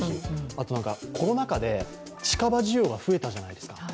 あとコロナ禍で近場需要が増えたじゃないですか。